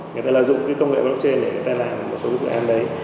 người ta lợi dụng cái công nghệ blockchain để người ta làm một số dự án đấy